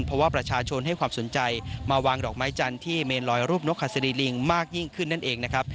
เพราะว่าประชาชนให้ความสนใจมาวางดอกไม้จันทร์ที่เมนลอยรูปนกหัสดีลิงมากยิ่งขึ้นนั่นเองนะครับ